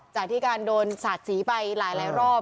จากการที่การโดนสาดสีไปหลายรอบ